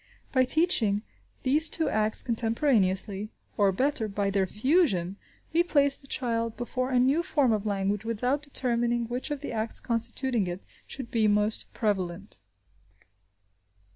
By teaching these two acts contemporaneously, or, better, by their fusion, we place the child before a new form of language without determining which of the acts constituting it should be most prevalent.